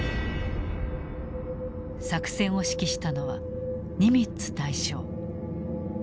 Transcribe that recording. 作戦を指揮したのはニミッツ大将。